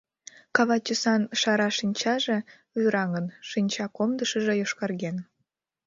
Кава тӱсан шара шинчаже вӱраҥын, шинча комдышыжо йошкарген.